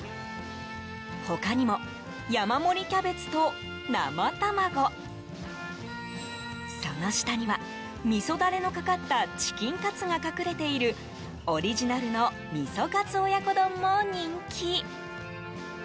他にも、山盛りキャベツと生卵その下には、みそダレのかかったチキンカツが隠れているオリジナルの味噌カツ親子丼も人気。